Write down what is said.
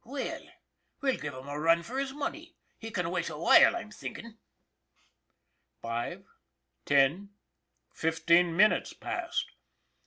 " Well, we'll give him a run for his money. He can wait a while, I'm thinkin'." Five, ten, fifteen minutes passed.